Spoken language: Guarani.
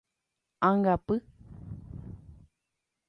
Ãngapy.